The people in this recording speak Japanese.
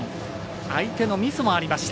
相手のミスもありました。